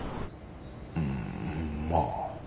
うんまあ。